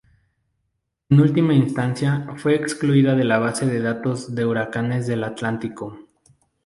En última instancia, fue excluida de la base de datos de huracanes del Atlántico.